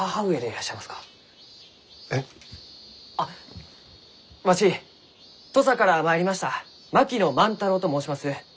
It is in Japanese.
えっ？あっわし土佐から参りました槙野万太郎と申します。